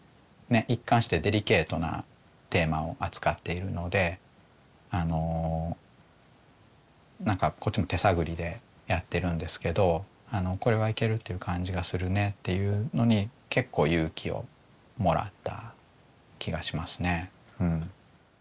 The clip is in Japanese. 一貫してデリケートなテーマを扱っているのであの何かこっちも手探りでやってるんですけど「これはいけるっていう感じがするね」っていうのに結構勇気をもらった気がしますね。